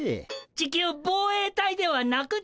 地球防衛隊ではなくて？